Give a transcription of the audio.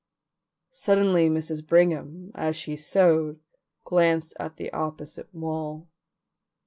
Suddenly Mrs. Brigham as she sewed glanced at the opposite wall.